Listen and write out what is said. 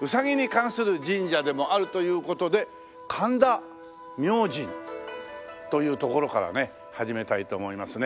ウサギに関する神社でもあるという事で神田明神という所からね始めたいと思いますね。